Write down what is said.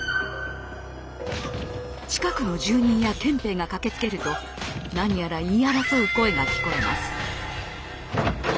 近くの住人や憲兵が駆けつけると何やら言い争う声が聞こえます。